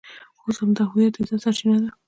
اوس همدا هویت د عزت سرچینه ده.